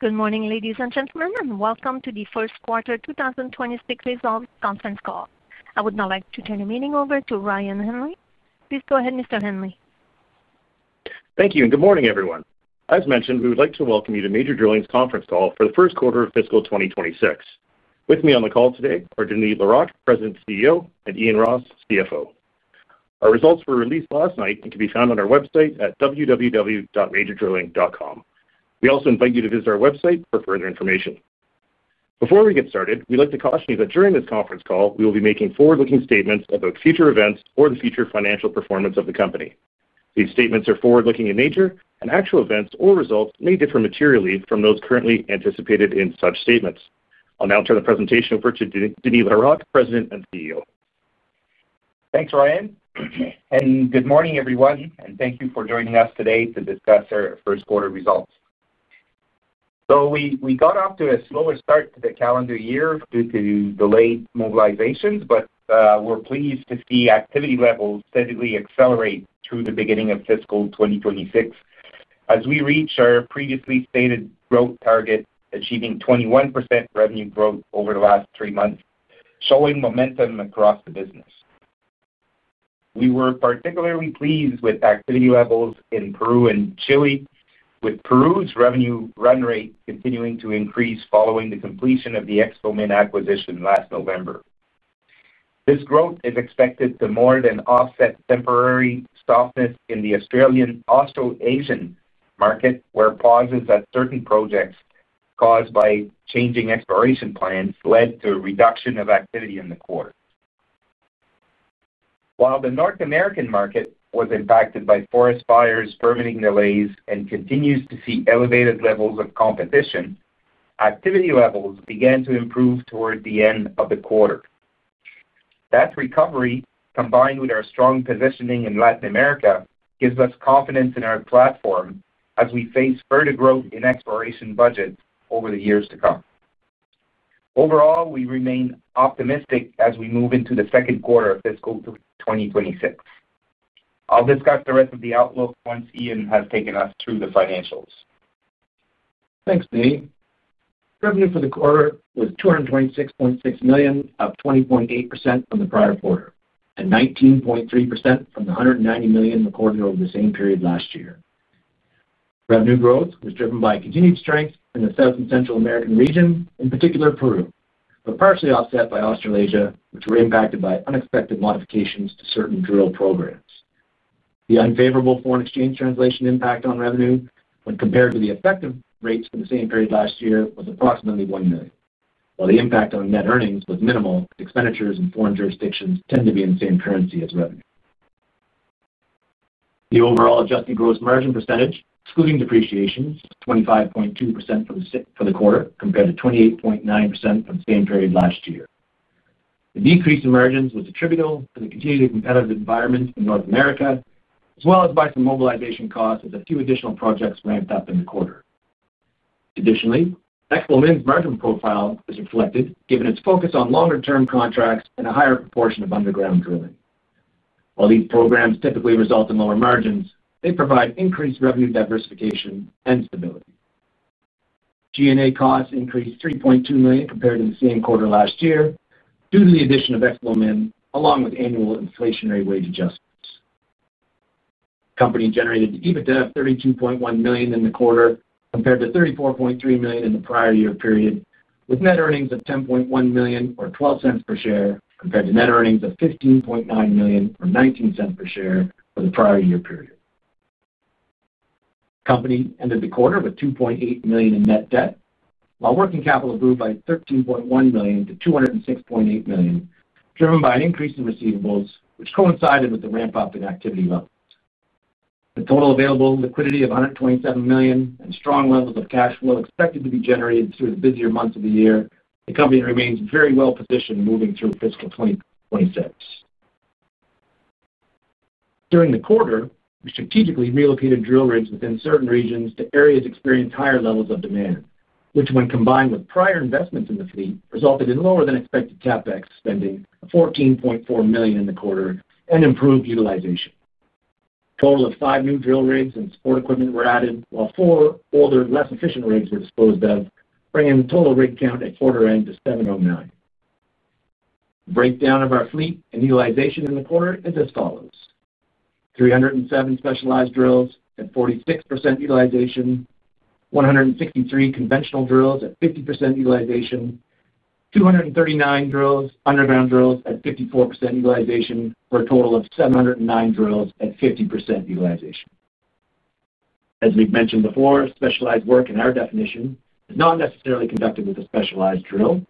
Good morning, ladies and gentlemen, and welcome to the First Quarter 2026 Results Conference Call. I would now like to turn the meeting over to Ryan Hanley. Please go ahead, Mr. Hanley. Thank you, and good morning, everyone. As mentioned, we would like to welcome you to Major Drilling's conference call for the first quarter of fiscal 2026. With me on the call today are Denis Larocque, President and CEO, and Ian Ross, CFO. Our results were released last night and can be found on our website at www.majordrilling.com. We also invite you to visit our website for further information. Before we get started, we'd like to caution you that during this conference call, we will be making forward-looking statements about future events or the future financial performance of the company. These statements are forward-looking in nature, and actual events or results may differ materially from those currently anticipated in such statements. I'll now turn the presentation over to Denis Larocque, President and CEO. Thanks, Ryan, and good morning, everyone, and thank you for joining us today to discuss our first quarter results. We got off to a slower start to the calendar year due to delayed mobilizations, but we're pleased to see activity levels steadily accelerate through the beginning of fiscal 2026. As we reach our previously stated growth target, achieving 21% revenue growth over the last three months, showing momentum across the business. We were particularly pleased with activity levels in Peru and Chile, with Peru's revenue run rate continuing to increase following the completion of the Explomin acquisition last November. This growth is expected to more than offset temporary softness in the Australian and Australasian markets, where pauses at certain projects caused by changing exploration plans led to a reduction of activity in the quarter. While the North American market was impacted by forest fires, permitting delays, and continues to see elevated levels of competition, activity levels began to improve toward the end of the quarter. That recovery, combined with our strong positioning in Latin America, gives us confidence in our platform as we face further growth in exploration budgets over the years to come. Overall, we remain optimistic as we move into the second quarter of fiscal 2026. I'll discuss the rest of the outlook once Ian has taken us through the financials. Thanks, Denis. Revenue for the quarter was $226.6 million, up 20.8% from the prior quarter, and 19.3% from the $190 million recorded over the same period last year. Revenue growth was driven by continued strength in the South and Central American region, in particular Peru, but partially offset by Australasia, which was impacted by unexpected modifications to certain drill programs. The unfavorable foreign exchange translation impact on revenue, when compared to the effective rates for the same period last year, was approximately $1 million. While the impact on net earnings was minimal, expenditures in foreign jurisdictions tend to be in the same currency as revenue. The overall adjusted gross margin percentage, excluding depreciation, was 25.2% for the quarter, compared to 28.9% from the same period last year. The decrease in margins was attributable to the continued competitive environment in North America, as well as market mobilization costs with a few additional projects ramped up in the quarter. Additionally, Explomin's margin profile is reflected given its focus on longer-term contracts and a higher proportion of underground drilling. While these programs typically result in lower margins, they provide increased revenue diversification and stability. G&A costs increased $3.2 million compared to the same quarter last year due to the addition of Explomin, along with annual inflationary wage adjustments. The company generated EBITDA of $32.1 million in the quarter compared to $34.3 million in the prior year period, with net earnings of $10.1 million or $0.12 per share compared to net earnings of $15.9 million or $0.19 per share for the prior year period. The company ended the quarter with $2.8 million in net debt, while working capital grew by $13.1 million to $206.8 million, driven by an increase in receivables, which coincided with the ramp-up in activity levels. With total available liquidity of $127 million and strong levels of cash flow expected to be generated through the busier months of the year, the company remains very well positioned moving through fiscal 2026. During the quarter, we strategically relocated drill rigs within certain regions to areas experiencing higher levels of demand, which, when combined with prior investments in the fleet, resulted in lower than expected CapEx spending of $14.4 million in the quarter and improved utilization. A total of five new drill rigs and support equipment were added, while four older, less efficient rigs were disposed of, bringing the total rig count at quarter end to 709. The breakdown of our fleet and utilization in the quarter is as follows: 307 specialized drills at 46% utilization, 163 conventional drills at 50% utilization, 239 underground drills at 54% utilization, for a total of 709 drills at 50% utilization. As we've mentioned before, specialized work, in our definition, is not necessarily conducted with a specialized drill.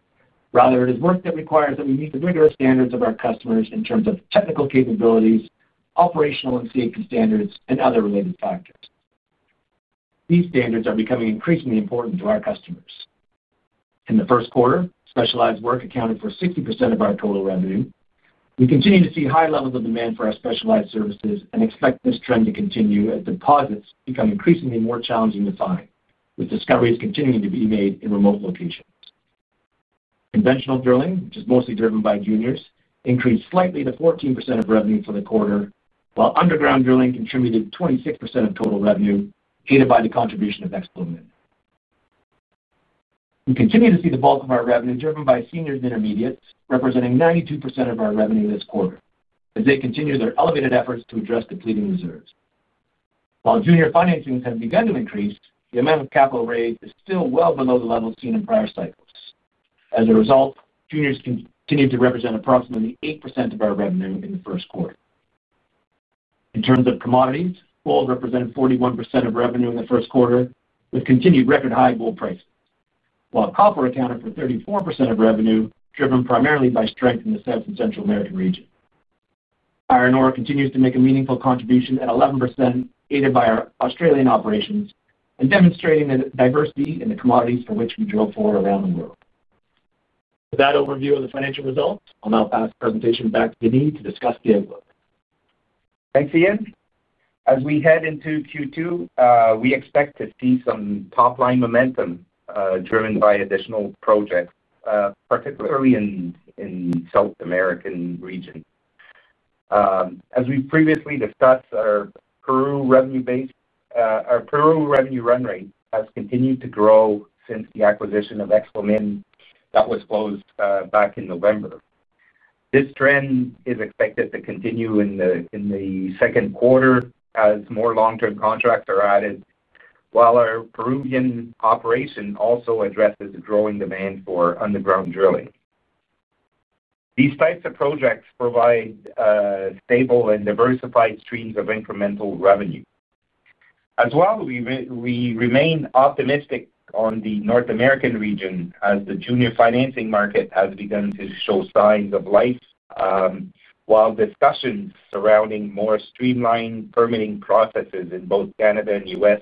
Rather, it is work that requires that we meet the rigorous standards of our customers in terms of technical capabilities, operational and safety standards, and other related factors. These standards are becoming increasingly important to our customers. In the first quarter, specialized work accounted for 60% of our total revenue. We continue to see high levels of demand for our specialized services and expect this trend to continue as deposits become increasingly more challenging to find, with discoveries continuing to be made in remote locations. Conventional drilling, which is mostly driven by juniors, increased slightly to 14% of revenue for the quarter, while underground drilling contributed 26% of total revenue, aided by the contribution of Explomin. We continue to see the bulk of our revenue driven by seniors and intermediates, representing 92% of our revenue this quarter, as they continue their elevated efforts to address depleting reserves. While junior financing has begun to increase, the amount of capital raised is still well below the levels seen in prior cycles. As a result, juniors continue to represent approximately 8% of our revenue in the first quarter. In terms of commodities, gold represents 41% of revenue in the first quarter, with continued record high gold prices, while copper accounted for 34% of revenue, driven primarily by strength in the South and Central American region. Iron ore continues to make a meaningful contribution at 11%, aided by our Australian operations, and demonstrating a diversity in the commodities for which we drill for around the world. With that overview of the financial results, I'll now pass the presentation back to Denis to discuss the outlook. Thanks, Ian. As we head into Q2, we expect to see some top-line momentum driven by additional projects, particularly in the South American region. As we previously discussed, our Peru revenue run rate has continued to grow since the acquisition of Explomin that was closed back in November. This trend is expected to continue in the second quarter as more long-term contracts are added, while our Peruvian operation also addresses the growing demand for underground drilling. These types of projects provide stable and diversified streams of incremental revenue. As well, we remain optimistic on the North American region as the junior financing market has begun to show signs of life, while discussions surrounding more streamlined permitting processes in both Canada and the U.S.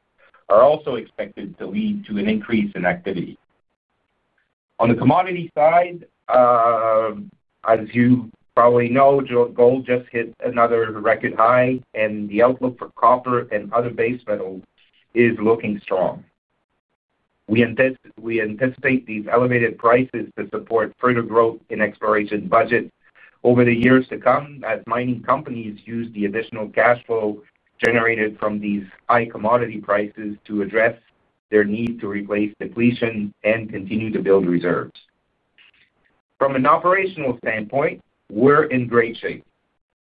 are also expected to lead to an increase in activity. On the commodity side, as you probably know, gold just hit another record high, and the outlook for copper and other base metals is looking strong. We anticipate these elevated prices to support further growth in exploration budgets over the years to come as mining companies use the additional cash flow generated from these high commodity prices to address their need to replace depletion and continue to build reserves. From an operational standpoint, we're in great shape.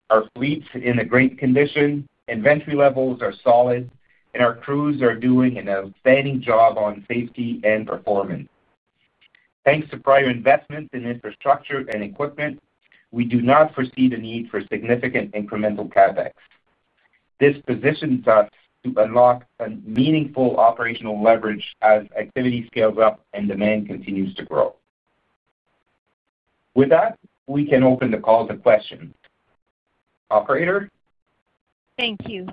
Our fleet is in great condition, inventory levels are solid, and our crews are doing an outstanding job on safety and performance. Thanks to prior investments in infrastructure and equipment, we do not foresee the need for significant incremental CapEx. This positions us to unlock a meaningful operational leverage as activity scales up and demand continues to grow. With that, we can open the call to questions. Operator? Thank you.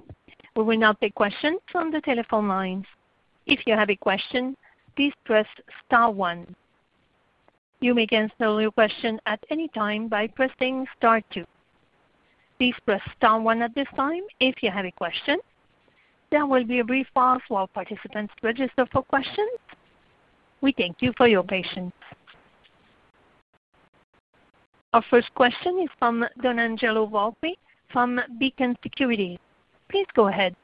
We will now take questions from the telephone line. If you have a question, please press star one. You may answer your question at any time by pressing star two. Please press star one at this time if you have a question. There will be a brief pause while participants register for questions. We thank you for your patience. Our first question is from Donangelo Volpe from Beacon Securities. Please go ahead.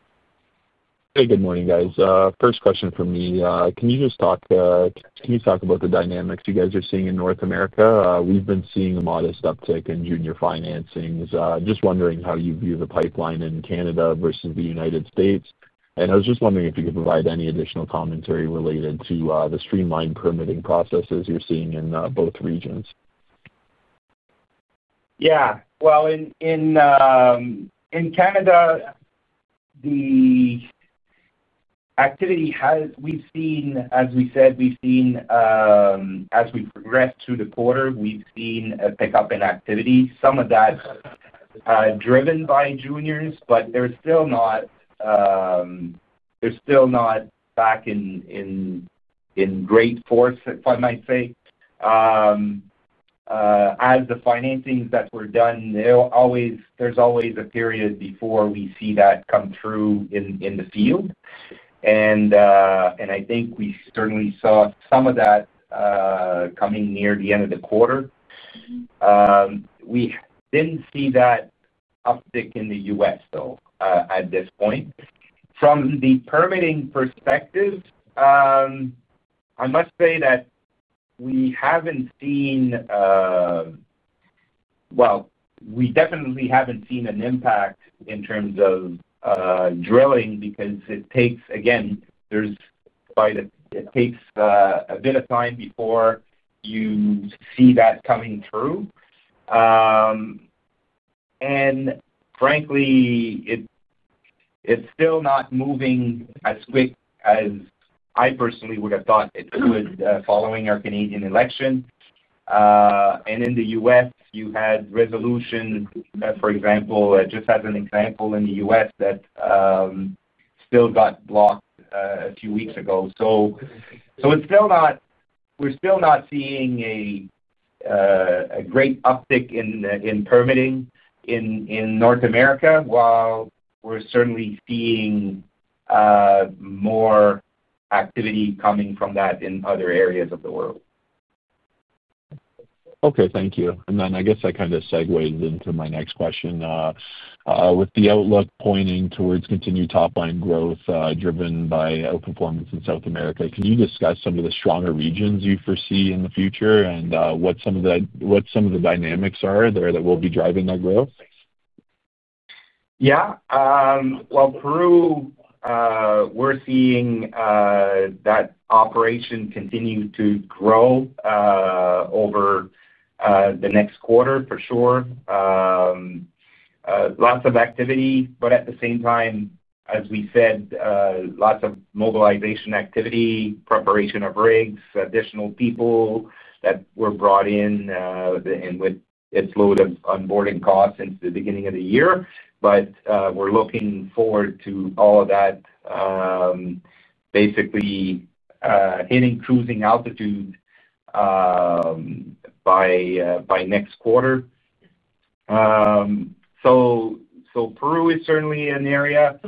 Hey, good morning, guys. First question from me. Can you just talk about the dynamics you guys are seeing in North America? We've been seeing a modest uptick in junior financing. Just wondering how you view the pipeline in Canada versus the United States. I was just wondering if you could provide any additional commentary related to the streamlined permitting processes you're seeing in both regions. Yeah. In Canada, the activity has, as we said, as we've progressed through the quarter, we've seen a pickup in activity. Some of that is driven by juniors, but they're still not back in great force, if I might say. As the financings that were done, there's always a period before we see that come through in the field. I think we certainly saw some of that coming near the end of the quarter. We didn't see that uptick in the U.S., though, at this point. From the permitting perspective, I must say that we haven't seen, we definitely haven't seen an impact in terms of drilling because it takes, again, there's quite a bit of time before you see that coming through. Frankly, it's still not moving as quick as I personally would have thought it would following our Canadian election. In the U.S., you had resolutions, for example, just as an example in the U.S. that still got blocked a few weeks ago. It's still not, we're still not seeing a great uptick in permitting in North America, while we're certainly seeing more activity coming from that in other areas of the world. Okay. Thank you. I guess that kind of segues into my next question. With the outlook pointing towards continued top-line growth driven by outperformance in South America, can you discuss some of the stronger regions you foresee in the future and what some of the dynamics are there that will be driving that growth? Yeah. Peru, we're seeing that operation continue to grow over the next quarter, for sure. Lots of activity, but at the same time, as we said, lots of mobilization activity, preparation of rigs, additional people that were brought in, and with its load of onboarding costs since the beginning of the year. We're looking forward to all of that basically hitting cruising altitude by next quarter. Peru is certainly an area.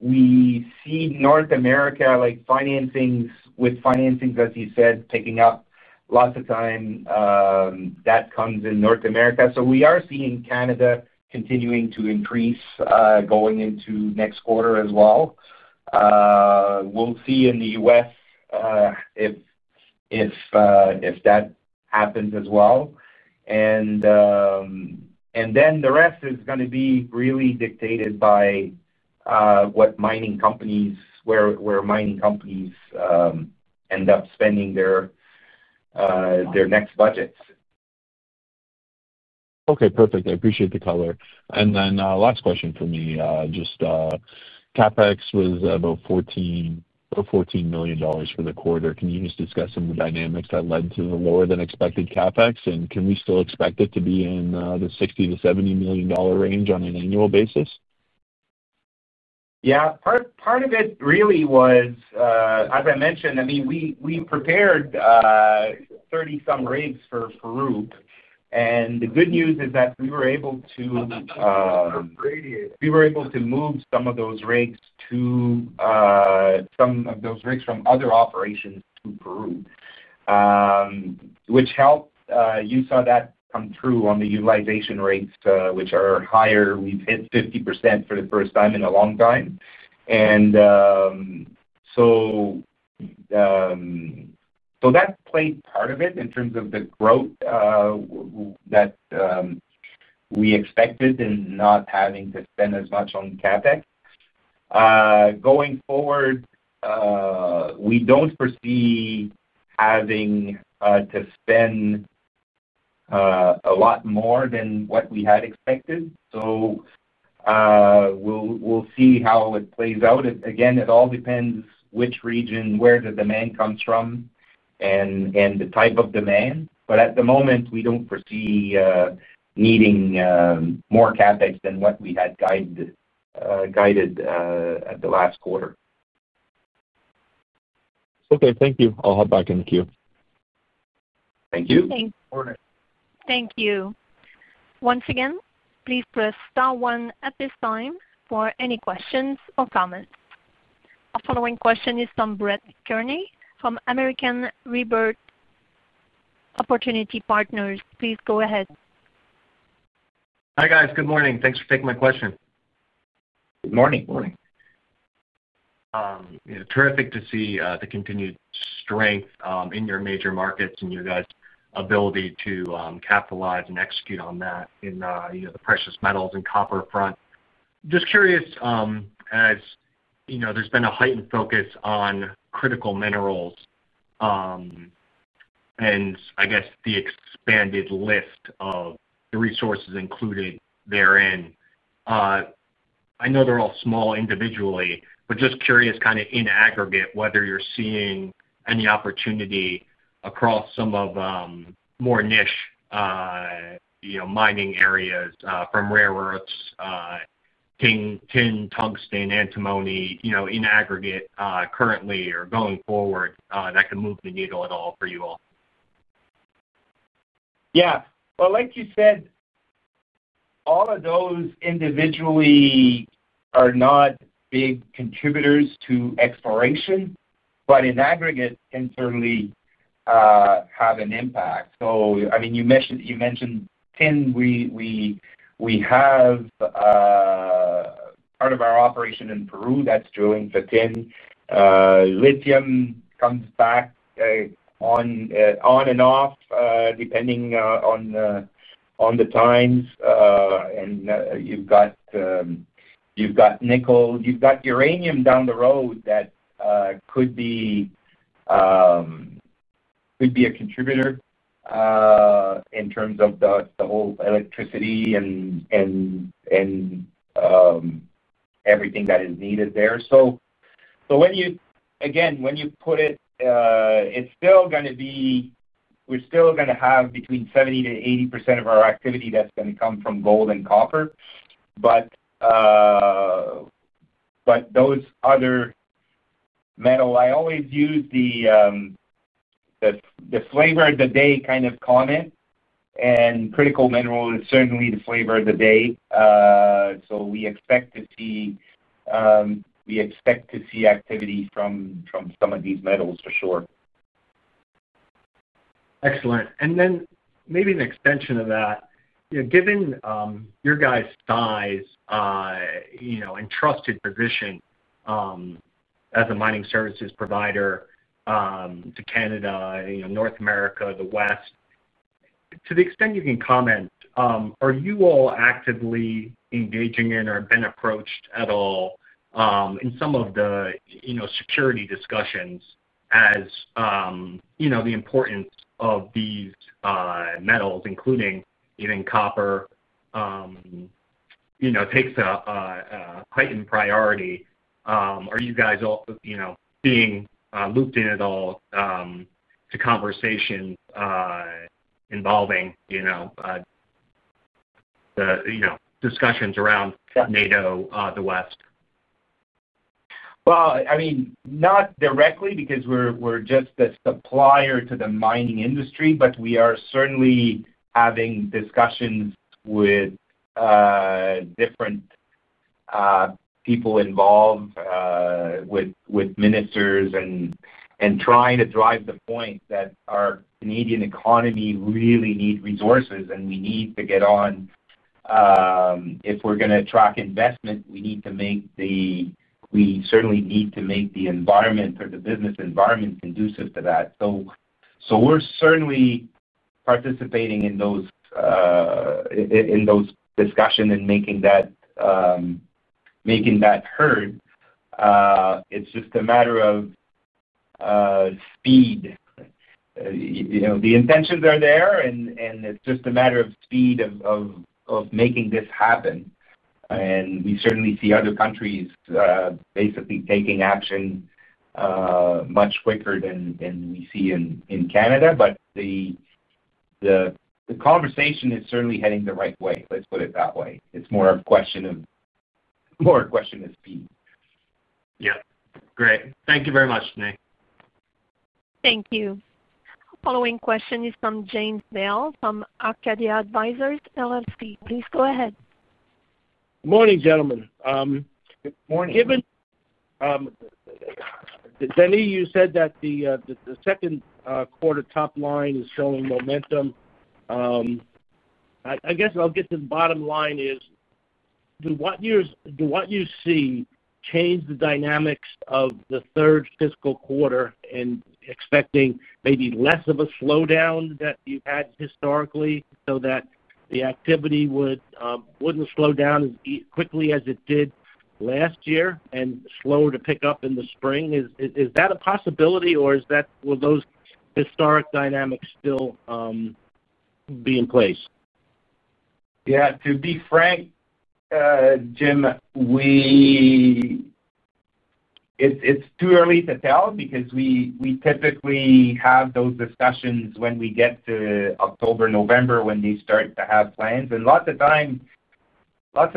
We see North America, like financings, with financings, as you said, picking up lots of time. That comes in North America. We are seeing Canada continuing to increase going into next quarter as well. We'll see in the U.S. if that happens as well. The rest is going to be really dictated by where mining companies end up spending their next budgets. Okay. Perfect. I appreciate the color. Last question for me, just CapEx was about $14 million for the quarter. Can you just discuss some of the dynamics that led to the lower than expected CapEx, and can we still expect it to be in the $60 million-$70 million range on an annual basis? Part of it really was, as I mentioned, I mean, we prepared 30-some rigs for Peru. The good news is that we were able to move some of those rigs from other operations to Peru, which helped. You saw that come through on the utilization rates, which are higher. We've hit 50% for the first time in a long time. That played part of it in terms of the growth that we expected and not having to spend as much on CapEx. Going forward, we don't foresee having to spend a lot more than what we had expected. We'll see how it plays out. Again, it all depends which region, where the demand comes from, and the type of demand. At the moment, we don't foresee needing more CapEx than what we had guided at the last quarter. Okay, thank you. I'll hop back in the queue. Thank you. Thank you. Once again, please press star one at this time for any questions or comments. Our following question is from Brett Kearney from American Rebirth Opportunity Partners. Please go ahead. Hi, guys. Good morning. Thanks for taking my question. Good morning. Morning. Terrific to see the continued strength in your major markets and your guys' ability to capitalize and execute on that in the precious metals and copper front. I'm just curious, as you know, there's been a heightened focus on critical minerals and, I guess, the expanded list of the resources included therein. I know they're all small individually, but just curious, kind of in aggregate, whether you're seeing any opportunity across some of the more niche mining areas from rare earths, tin, tungsten, antimony, in aggregate currently or going forward that could move the needle at all for you all. Yeah. Like you said, all of those individually are not big contributors to exploration, but in aggregate, can certainly have an impact. You mentioned tin. We have part of our operation in Peru that's drilling for tin. Lithium comes back on and off depending on the times. You've got nickel. You've got uranium down the road that could be a contributor in terms of the whole electricity and everything that is needed there. When you put it together, it's still going to be, we're still going to have between 70%-80% of our activity that's going to come from gold and copper. Those other metals, I always use the flavor of the day kind of comment, and critical mineral is certainly the flavor of the day. We expect to see activity from some of these metals, for sure. Excellent. Maybe an extension of that, given your guys' size and trusted position as a mining services provider to Canada, North America, the West, to the extent you can comment, are you all actively engaging in or been approached at all in some of the security discussions as the importance of these metals, including even copper, takes a heightened priority? Are you guys all being looped in at all to conversations involving the discussions around NATO, the West? I mean, not directly because we're just the supplier to the mining industry, but we are certainly having discussions with different people involved, with ministers, and trying to drive the point that our Canadian economy really needs resources, and we need to get on. If we're going to attract investment, we need to make the, we certainly need to make the environment for the business environment conducive to that. We're certainly participating in those discussions and making that heard. It's just a matter of speed. The intentions are there, and it's just a matter of speed of making this happen. We certainly see other countries basically taking action much quicker than we see in Canada. The conversation is certainly heading the right way. Let's put it that way. It's more a question of speed. Great. Thank you very much, Denis. Thank you. Our following question is from James Vail from Arcadia Advisors, LLC. Please go ahead. Morning, gentlemen. Good morning. Denis, you said that the second quarter top line is showing momentum. I guess I'll get to the bottom line. Do what you see change the dynamics of the third fiscal quarter and expecting maybe less of a slowdown that you've had historically so that the activity wouldn't slow down as quickly as it did last year and slower to pick up in the spring? Is that a possibility, or will those historic dynamics still be in place? Yeah. To be frank, Jim, it's too early to tell because we typically have those discussions when we get to October, November, when they start to have plans. Lots of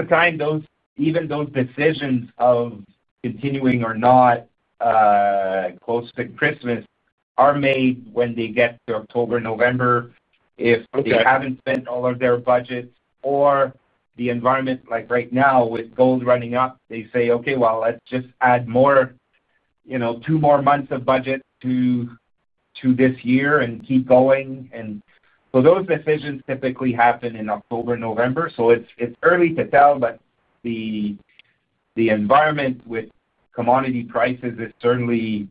times even those decisions of continuing or not close to Christmas are made when they get to October, November if they haven't spent all of their budget. Or the environment, like right now, with gold running up, they say, "Okay, let's just add more, you know, two more months of budget to this year and keep going." Those decisions typically happen in October, November. It's early to tell, but the environment with commodity prices is certainly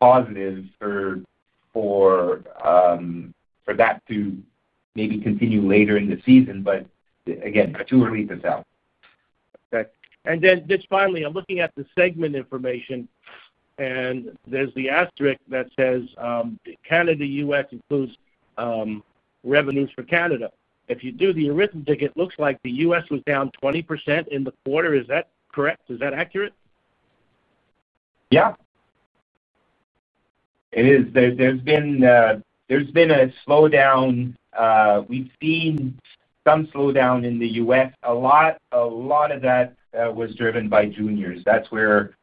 positive for that to maybe continue later in the season. Again, it's too early to tell. Okay. Finally, I'm looking at the segment information, and there's the asterisk that says, "Canada U.S. includes revenues for Canada." If you do the arithmetic, it looks like the U.S. was down 20% in the quarter. Is that correct? Is that accurate? Yeah, it is. There's been a slowdown. We've seen some slowdown in the U.S. A lot of that was driven by juniors. That's where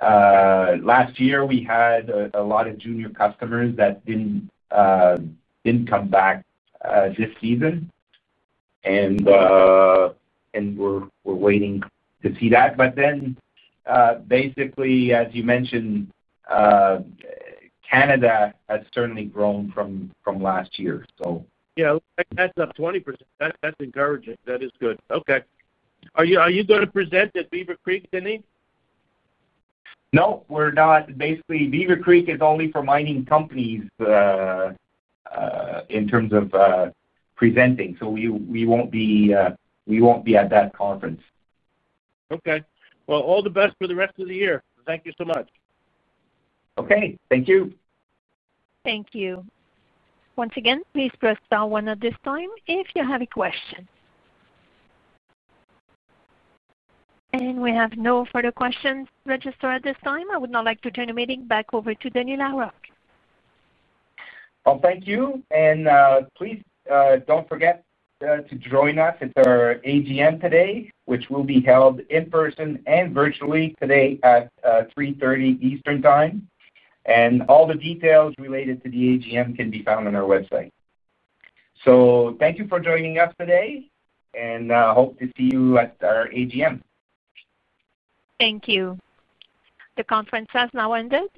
last year we had a lot of junior customers that didn't come back this season. We're waiting to see that. Basically, as you mentioned, Canada has certainly grown from last year. Yeah, that's up 20%. That's encouraging. That is good. Okay, are you going to present at Beaver Creek, Denis? No, we're not. Basically, Beaver Creek is only for mining companies in terms of presenting, so we won't be at that conference. Okay. All the best for the rest of the year. Thank you so much. Okay, thank you. Thank you. Once again, please press star one at this time if you have a question. We have no further questions registered at this time. I would now like to turn the meeting back over to Denis Larocque. Thank you. Please don't forget to join us at our AGM today, which will be held in person and virtually at 3:30 P.M. Eastern Time. All the details related to the AGM can be found on our website. Thank you for joining us today, and I hope to see you at our AGM. Thank you. The conference has now ended.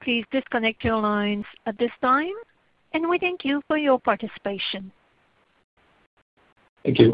Please disconnect your lines at this time, and we thank you for your participation. Thank you.